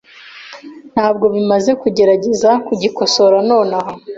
Ntabwo bimaze kugerageza kugikosora nonaha.